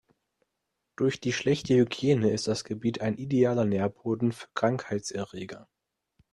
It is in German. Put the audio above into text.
Durch die schlechte Hygiene ist das Gebiet ein idealer Nährboden für Krankheitserreger.